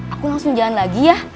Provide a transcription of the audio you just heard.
aku langsung jalan lagi ya